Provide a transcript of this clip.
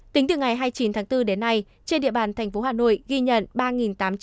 tính từ ngày hai mươi chín tháng bốn đến nay trên địa bàn thành phố hà nội ghi nhận